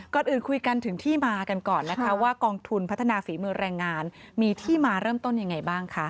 ก่อนอื่นคุยกันถึงที่มากันก่อนนะคะว่ากองทุนพัฒนาฝีมือแรงงานมีที่มาเริ่มต้นยังไงบ้างคะ